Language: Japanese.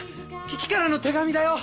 キキからの手紙だよ。